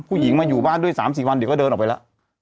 ผู้หญิงมาอยู่บ้านด้วย๓๔วันเดี๋ยวก็เดินออกไปแล้ว